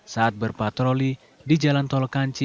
saat berpatroli di jalan tol kanci